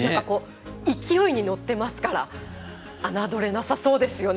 勢いに乗ってますから侮れなさそうですね。